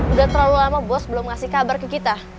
udah terlalu lama bos belum ngasih kabar ke kita